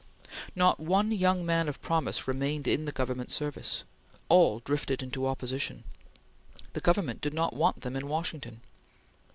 Not one young man of promise remained in the Government service. All drifted into opposition. The Government did not want them in Washington.